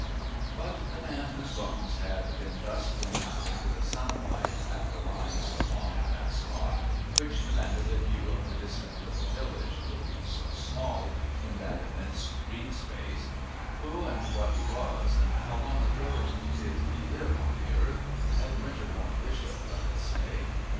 But the man whose bones had been thus thrown out into the sunlight after lying so long at that spot, which commanded a view of the distant, little village looking so small in that immense, green space who and what was he, and how long ago did he live on the earth at Winterbourne Bishop, let us say?